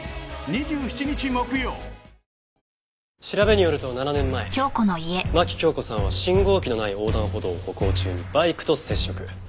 調べによると７年前牧京子さんは信号機のない横断歩道を歩行中にバイクと接触。